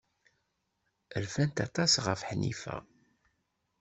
Rfant aṭas ɣef Ḥnifa.